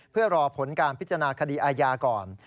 เพื่อรอผลการพิจารณาคดีอาญาก่อน